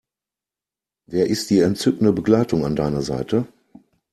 Wer ist die entzückende Begleitung an deiner Seite?